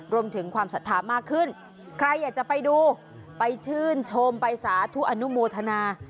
รวมถึงความศรัทธามากขึ้นใครอยากจะไปดูไปชื่นชมไปสาธุอนุโมทนา